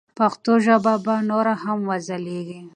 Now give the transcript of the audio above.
پښتو ژبه به نوره هم وځلیږي.